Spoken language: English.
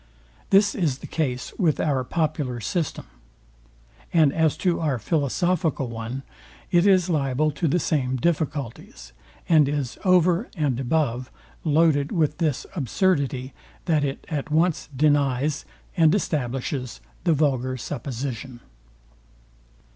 This is the case with our popular system. And as to our philosophical one, it is liable to the same difficulties; and is over and above loaded with this absurdity, that it at once denies and establishes the vulgar supposition.